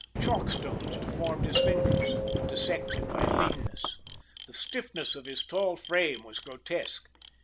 Chalkstones deformed his fingers, dissected by leanness. The stiffness of his tall frame was grotesque.